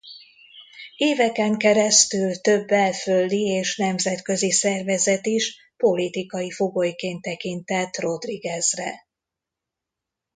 Éveken keresztül több belföldi és nemzetközi szervezet is politikai fogolyként tekintett Rodriguezre.